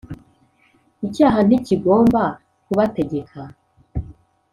Icyaha ntikigomba kubategeka